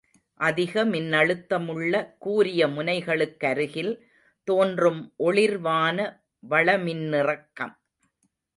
அதிக மின்னழுத்தமுள்ள கூரிய முனைகளுக்கருகில் தோன்றும் ஒளிர்வான வளிமின்னிறக்கம்.